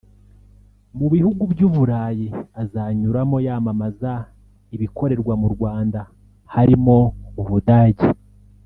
Mu bihugu by’Uburayi azanyuramo yamamaza ibikorerwa mu Rwanda harimo u Budage